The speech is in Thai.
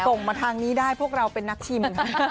ส่งมาทางนี้ได้พวกเราเป็นนักชิมค่ะ